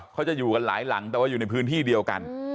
เขาจะอยู่กันหลายหลังแต่ว่าอยู่ในพื้นที่เดียวกัน